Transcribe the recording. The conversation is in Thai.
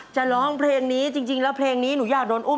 ร้องเพลงนี้จริงแล้วเพลงนี้หนูอยากโดนอุ้ม